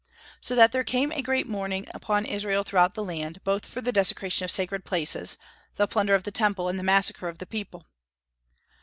So that there came great mourning upon Israel throughout the land, both for the desecration of sacred places, the plunder of the Temple, and the massacre of the people.